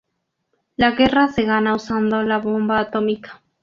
La guerra se gana usando la bomba atómica.